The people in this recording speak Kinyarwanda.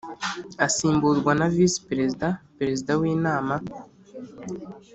Asimburwa na visi perezida perezida w inama